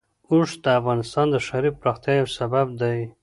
اوښ د افغانستان د ښاري پراختیا یو سبب دی.